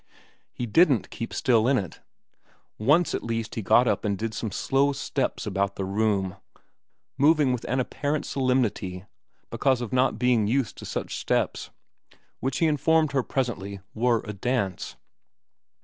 He didn't keep still in it. Once at least he got up and did some slow steps about the room, moving with an apparent solemnity because of not being used to such steps, which he informed her presently were a dance.